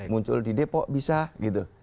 muncul di depok bisa gitu